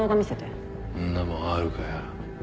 んな物あるかよ。